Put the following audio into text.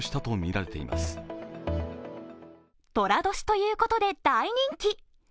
とら年ということで大人気。